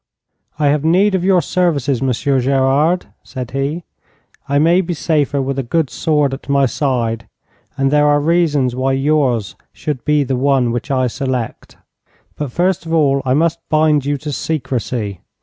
'I have need of your services, Monsieur Gerard,' said he. 'I may be safer with a good sword at my side, and there are reasons why yours should be the one which I select. But first of all I must bind you to secrecy.